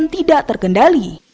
korban tidak terkendali